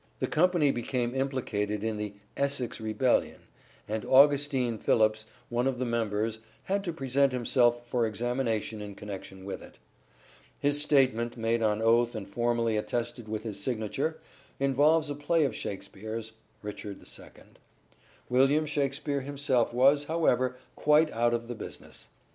The company became implicated in the "Essex Rebellion," and Augustine 6 82 " SHAKESPEARE " IDENTIFIED Phillipps, one of the members, had to present himself for examination in connection with it. His statement, made on oath and formally attested with his signature, involves a play of " Shakespeare's " (Richard II). William Shakspere himself was, however, quite out of the business.